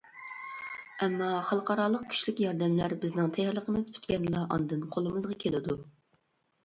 ئەمما خەلقئارالىق كۈچلۈك ياردەملەر بىزنىڭ تەييارلىقىمىز پۈتكەندىلا ئاندىن قولىمىزغا كېلىدۇ.